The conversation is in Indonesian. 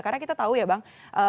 karena kita tahu ya bang